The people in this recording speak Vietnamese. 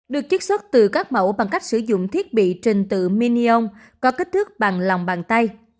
được chiếc xuất từ các mẫu bằng cách sử dụng thiết bị trình tự minion có kích thước bằng lòng bàn tay